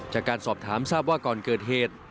จากการสอบถามทราบว่าก่อนเกิดเหตุ